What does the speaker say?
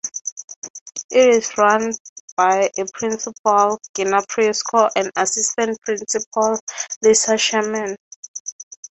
It is run by a principal, Gina Prisco, and assistant principal Lisa Sherman.